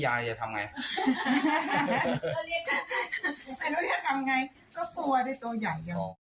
แล้วถ้ากลับมาไงก็กลัวได้ตัวใหญ่